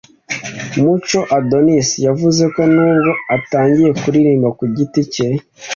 Muco Adonis yavuze ko nubwo atangiye kuririmba ku giti cye